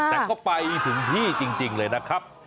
แต่ก็ไปถึงที่จริงเลยนะครับ